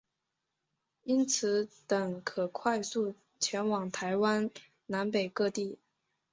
由此等可快速前往台湾南北各地。